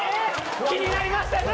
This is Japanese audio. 気になりましたね。